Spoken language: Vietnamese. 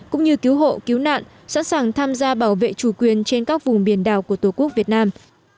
cũng như cứu hộ cứu nạn sẵn sàng tham gia bảo vệ chủ quyền trên các vùng biển đảo của tổ quốc việt nam